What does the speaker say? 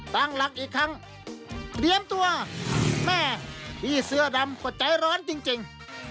ตั้งหลักอีกครั้งเตรียมตัวแม่พี่เสื้อดำก็ใจร้อนจริง